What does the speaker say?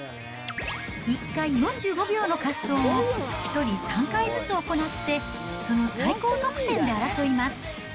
１回４５秒の滑走を１人３回ずつ行って、その最高得点で争います。